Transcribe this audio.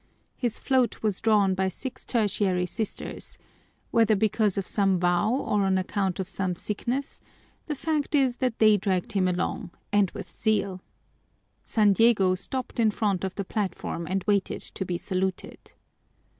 His float was drawn by six Tertiary Sisters whether because of some vow or on account of some sickness, the fact is that they dragged him along, and with zeal. San Diego stopped in front of the platform and waited to be saluted.